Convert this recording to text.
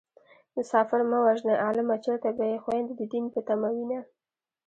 مسافر مه وژنئ عالمه چېرته به يې خويندې د دين په تمه وينه